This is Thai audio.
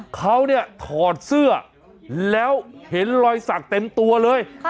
เขาเนี่ยถอดเสื้อแล้วเห็นรอยสักเต็มตัวเลย